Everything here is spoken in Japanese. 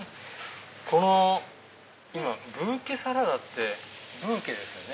このブーケサラダってブーケですよね？